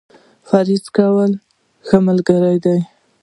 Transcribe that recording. پرهېز کول ، ښه ملګری دی.